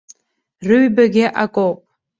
Рыҩбагьы акоуп.